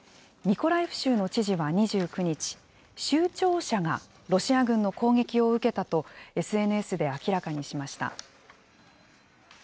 ミコライフ州の知事は２９日、州庁舎がロシア軍の攻撃を受けたと、ＳＮＳで明らかにしました。